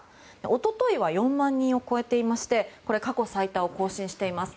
おとといは４万人を超えていまして過去最多を更新しています。